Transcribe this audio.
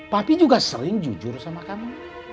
papi juga sering jujur sama kamu